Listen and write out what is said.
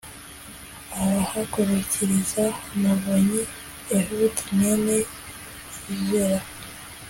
abahagurukiriza umuvunyi Ehudi mwene Gera